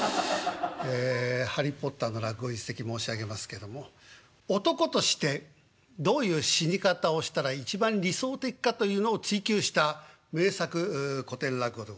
ええハリー・ポッターの落語一席申し上げますけども男としてどういう死に方をしたら一番理想的かというのを追求した名作古典落語でございまして。